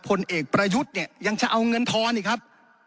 ผลเอกประยุทธ์เนี่ยยังจะเอาเงินทอนอีกครับ